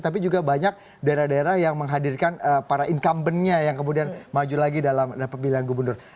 tapi juga banyak daerah daerah yang menghadirkan para incumbentnya yang kemudian maju lagi dalam pemilihan gubernur